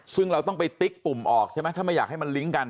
ซึ่งเราต้องไปติ๊กปุ่มออกใช่ไหมถ้าไม่อยากให้มันลิงก์กัน